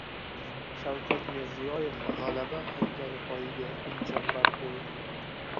Shavkat Mirziyoyev G‘alaba haykali poyiga gulchambar qo‘ydi